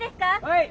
はい！